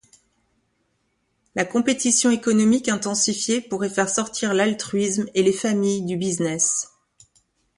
La compétition économique intensifiée pourrait faire sortir l’altruisme et les familles du business.